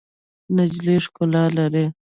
نجلۍ ښکلا لري.